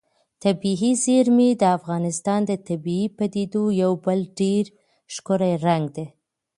طبیعي زیرمې د افغانستان د طبیعي پدیدو یو بل ډېر ښکلی رنګ دی.